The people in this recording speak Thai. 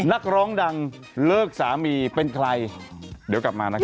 นักร้องดังเลิกสามีเป็นใครเดี๋ยวกลับมานะครับ